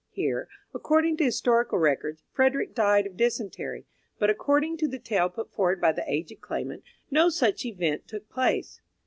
Here, according to historical records, Frederick died of dysentery, but, according to the tale put forward by the aged claimant, no such event took place.